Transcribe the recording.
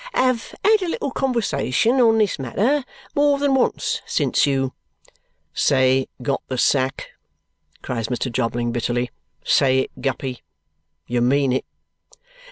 " Have had a little conversation on this matter more than once since you " "Say, got the sack!" cries Mr. Jobling bitterly. "Say it, Guppy. You mean it."